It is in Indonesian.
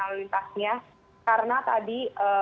analitasnya karena tadi